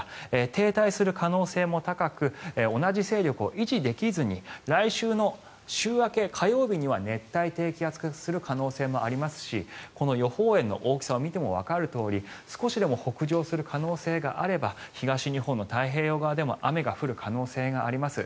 停滞する可能性も高く同じ勢力を維持できずに来週の週明け火曜日には熱帯低気圧化する可能性もありますしこの予報円の大きさを見てもわかるとおり少しでも北上する可能性があれば東日本の太平洋側でも雨が降る可能性があります。